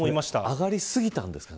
上がり過ぎたんですかね。